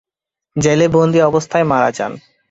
জেলে বন্দী অবস্থায় মারা যান।